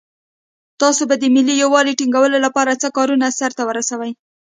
تاسو به د ملي یووالي ټینګولو لپاره څه کارونه سرته ورسوئ.